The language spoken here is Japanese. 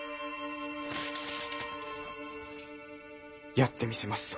やってみせますぞ